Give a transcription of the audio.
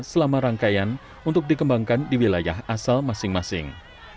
selama rangkaian untuk dikembangkan di wilayah asal masing masing